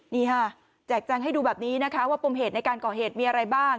นี่ค่ะแจกแจงให้ดูแบบนี้นะคะว่าปมเหตุในการก่อเหตุมีอะไรบ้าง